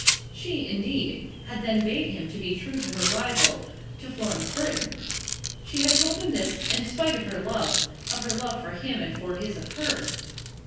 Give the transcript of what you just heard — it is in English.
She, indeed, had then bade him be true to her rival, to Florence Burton. She had told him this in spite of her love, of her love for him and of his for her.